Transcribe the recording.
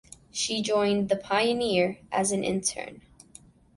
She joined "The Pioneer" as an intern.